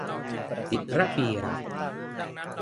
ติดระเบียบ